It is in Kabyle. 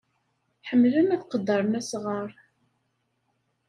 Ḥemmlen ad qeddren asɣar.